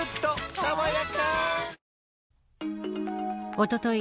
おととい